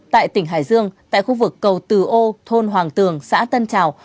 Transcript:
tại tỉnh hải dương tại khu vực cầu từ ô thôn hoàng tường xã tân trào